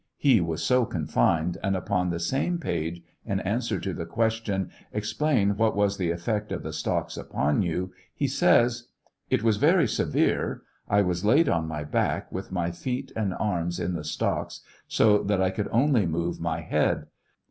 He was so confined, and upon the same page, in answer to the question, " Ex plain what was the effect of the stocks upon you ?" he says : It was very severe. I was laid on my back with my feet and arms in the stocks so that I could only move my head.